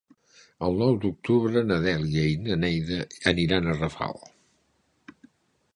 El nou d'octubre na Dèlia i na Neida aniran a Rafal.